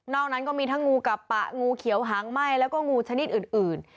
นั้นก็มีทั้งงูกับปะงูเขียวหางไหม้แล้วก็งูชนิดอื่น